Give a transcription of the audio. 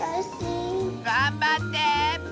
がんばって！